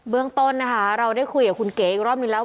เรื่องต้นนะคะเราได้คุยกับคุณเก๋อีกรอบนึงแล้ว